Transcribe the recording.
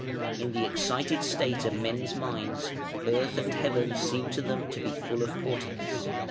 In the excited state of men's minds earth and heaven seemed to them to be full of portents..